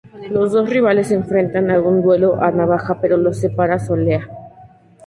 Los dos rivales se enfrentan en un duelo a navaja, pero los separa Soleá.